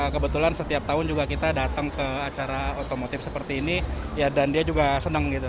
kebetulan setiap tahun juga kita datang ke acara otomotif seperti ini ya dan dia juga senang gitu